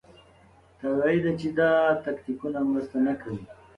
طبیعي ده چې دا تکتیکونه مرسته نه کوي.